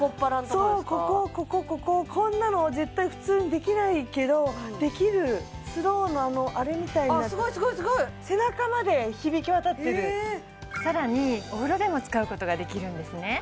そうこここここんなの絶対普通にできないけどできるスローのあのあれみたいなあすごいすごいすごい更にお風呂でも使うことができるんですね